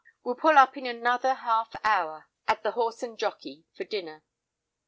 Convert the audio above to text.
We'll pull up in another hour at the Horse and Jockey for dinner."